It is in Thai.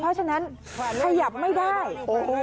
เพราะฉะนั้นขยับไม่ได้